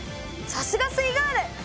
さすがすイガール！